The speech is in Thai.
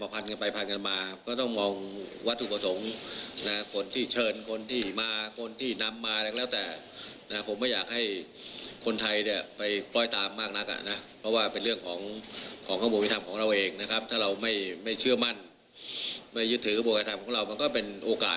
ฟังเสียงนายกรัฐมนตรีกันหน่อยค่ะ